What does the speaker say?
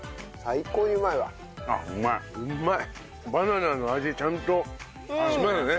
バナナの味ちゃんとしますね。